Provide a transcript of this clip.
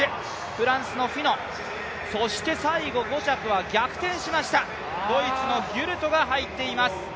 フランスのフィノ、そして最後５着は逆転しました、ドイツのギュルトが入っています。